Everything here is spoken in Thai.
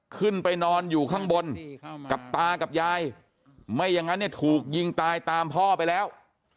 ขึ้นไปนอนอยู่ข้างบนกับตากับยายไม่อย่างนั้นเนี่ยถูกยิงตายตามพ่อไปแล้ว